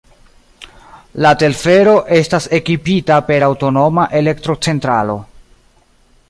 La telfero estas ekipita per aŭtonoma elektrocentralo.